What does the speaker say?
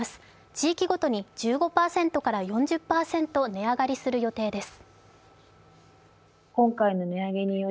地域ごとに１５％から４０％値上がりする予定です。